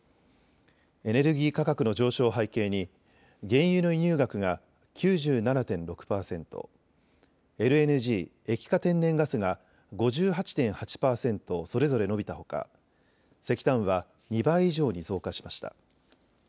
エネルギー価格の上昇を背景に原油の輸入額が９７．６％、ＬＮＧ・液化天然ガスが５８．８％それぞれ伸びたほか石炭は２倍以上に増加しました。